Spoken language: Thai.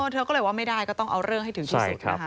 เธอก็เลยว่าไม่ได้ก็ต้องเอาเรื่องให้ถึงที่สุดนะคะ